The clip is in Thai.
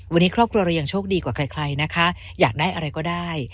วันนี้ครอบครัวเรายังโชคดีกว่าใครนะคะอยากได้อะไรก็ได้